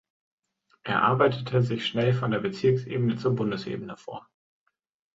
Er arbeitete sich schnell von der Bezirksebene zur Bundesebene vor.